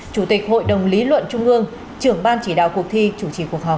chủ tịch hội đồng lý luận trung ương trưởng ban chỉ đạo cuộc thi chủ trì cuộc họp